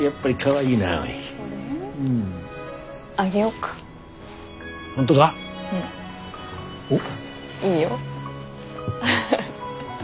いいよ。